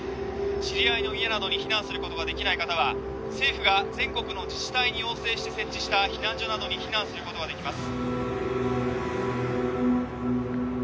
知り合いの家などに避難することができない方は政府が全国の自治体に要請して設置した避難所などに避難することができます